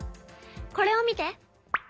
これを見て。